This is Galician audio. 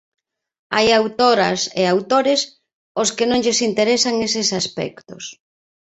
Hai autoras e autores aos que non lles interesan eses aspectos.